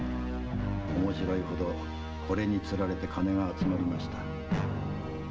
面白いほどこれに釣られて金が集まりました。